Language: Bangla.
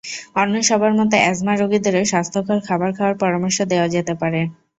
অন্য সবার মতো অ্যাজমা রোগীদেরও স্বাস্থ্যকর খাবার খাওয়ার পরামর্শ দেওয়া যেতে পারে।